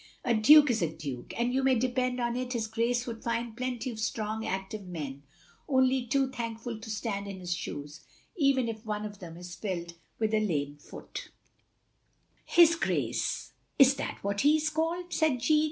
"A Duke is a Duke, and you may depend on it his Grace would find plenty of strong active men only too thankful to stand in his shoes, even if one of them is filled with a lame foot." no THE LONELY LADY "His Grace — ^is that what he is called?" said Jeanne.